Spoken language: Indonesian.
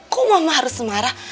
kok mama harus marah